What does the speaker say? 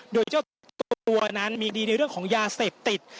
โดยเจ้าตัวนั้นมีเรื่องในเรื่องนี้เรื่องของยาเสพติด